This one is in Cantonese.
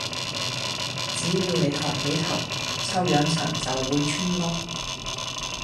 只要你抬起頭，臭氧層就會穿窿